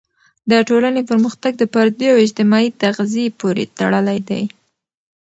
د ټولنې پرمختګ د فردي او اجتماعي تغذیې پورې تړلی دی.